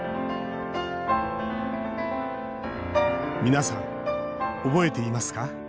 皆さん、覚えていますか？